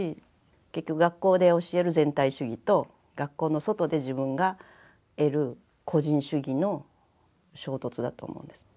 結局学校で教える全体主義と学校の外で自分が得る個人主義の衝突だと思うんです。